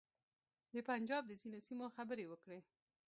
د پنجاب د ځینو سیمو خبرې وکړې.